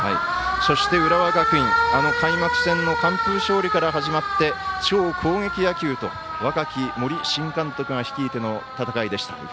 そして、浦和学院開幕戦の完封勝利から始まって超攻撃野球と若き森新監督が率いての戦いでした。